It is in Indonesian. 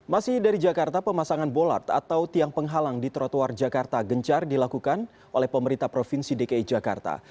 masih dari jakarta pemasangan bolart atau tiang penghalang di trotoar jakarta gencar dilakukan oleh pemerintah provinsi dki jakarta